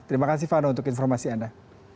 terima kasih silvano untuk informasi anda